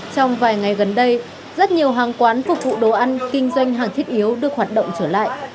trong vài ngày gần đây rất nhiều hàng quán phục vụ đồ ăn kinh doanh hàng thiết yếu được hoạt động trở lại